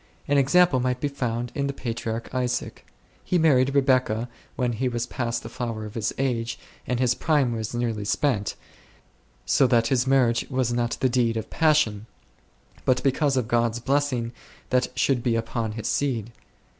An example might be found in the patriarch Isaac. He married Rebecca when he was past the flower of his age and his prime was well nigh spent, so that his marriage was not the deed of passion, but because of God's blessing that should be upon his seed.